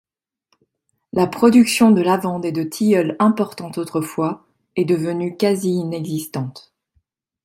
La production de lavande et de tilleul importante autrefois, est devenue quasi inexistante.